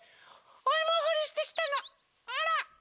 おいもほりしてきたのほら。